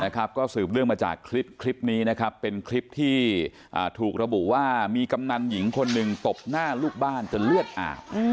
ก็สืบเนื่องมาจากคลิปนี้นะครับเป็นคลิปที่ถูกระบุว่ามีกำนันหญิงคนหนึ่งตบหน้าลูกบ้านจนเลือดอาบ